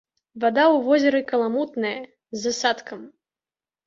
Вада ў возеры каламутная, з асадкам.